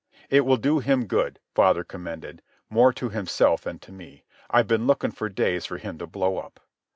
"It will do him good," father commended, more to himself than to me. "I've been looking for days for him to blow up."